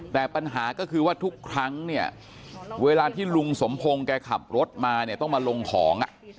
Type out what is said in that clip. แต่ปัญหาก็คือว่าทุกครั้งเนี่ยเวลาที่ลุงสมพงศ์แกขับรถมาเนี่ยต้องมาลงของ